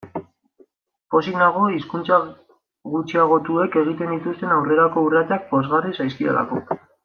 Pozik nago hizkuntza gutxiagotuek egiten dituzten aurrerako urratsak pozgarri zaizkidalako.